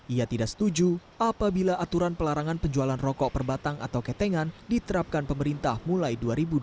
ia tidak setuju apabila aturan pelarangan penjualan rokok perbatang atau ketengan diterapkan pemerintah mulai dua ribu dua puluh